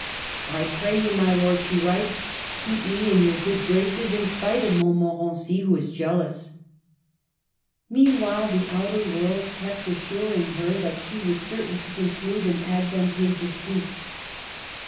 '' I pray you, my lord," she writes, '' keep me in your good graces, in spite of Montmorency, who is jealous." Meanwhile the outer world kept assuring her that she was certain to conclude an advanta geous peace.